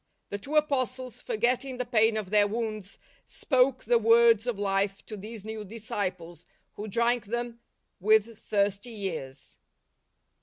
The two Apostles, for getting the pain of their wounds, spoke the words of life to these new disciples, who drank them m with thirsty ears.